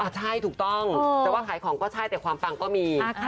ใช่ถูกต้องแต่ว่าขายของก็ใช่แต่ความปังก็มี